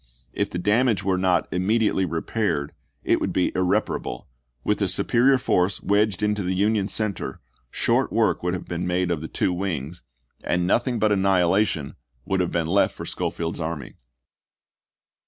If the damage were not immediately repaired, it would be irreparable; with a superior force wedged into the Union cen ter, short work would have been made of the two wings, and nothing but annihilation would have been left for Schofield's army.